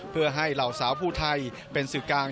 เพื่อให้เหล่าสาวภูไทยเป็นสื่อกลาง